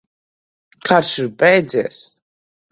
Karš ir beidzies!